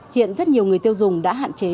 hiện rất nhiều người tiêu dùng đã hạn chế